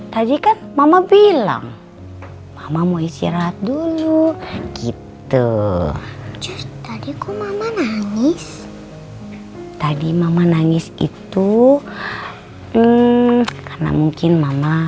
tadi kan mama bilang mama mau istirahat dulu gitu tadi mama nangis itu karena mungkin mama